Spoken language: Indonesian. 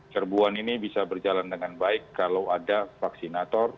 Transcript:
serbuan ini bisa berjalan dengan baik kalau ada vaksinator